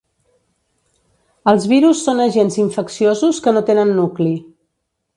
Els virus són agents infecciosos que no tenen nucli.